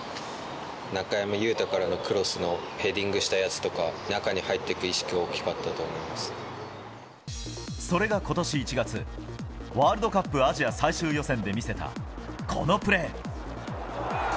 中山雄太からのクロスのヘディングしたやつとか、中に入っていくそれがことし１月、ワールドカップアジア最終予選で見せた、このプレー。